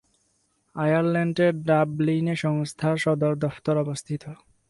আয়ারল্যান্ডের ডাবলিনে সংস্থার সদর দফতর অবস্থিত।